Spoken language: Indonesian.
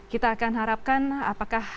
kita akan harapkan apakah